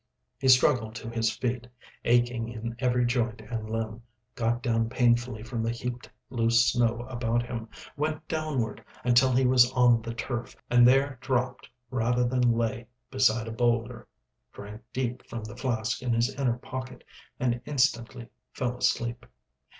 He struggled to his feet, aching in every joint and limb, got down painfully from the heaped loose snow about him, went downward until he was on the turf, and there dropped rather than lay beside a boulder, drank deep from the flask in his inner pocket, and instantly fell asleep